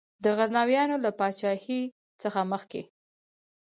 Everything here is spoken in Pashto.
د غزنویانو له پاچهۍ څخه مخکي.